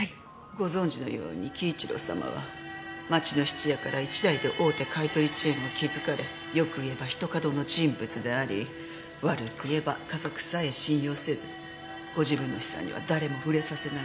ご存じのように輝一郎様は町の質屋から一代で大手買い取りチェーンを築かれよく言えばひとかどの人物であり悪く言えば家族さえ信用せずご自分の資産には誰も触れさせない